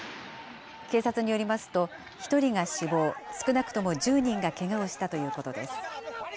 警察によりますと、１人が死亡、少なくとも１０人がけがをしたということです。